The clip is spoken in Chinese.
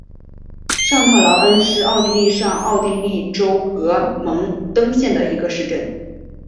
上特劳恩是奥地利上奥地利州格蒙登县的一个市镇。